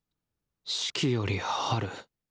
「四季」より「春」